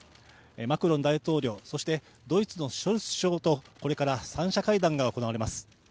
マクロン大統領、そしてドイツのショルツ首相とこれから３者会談が行われます。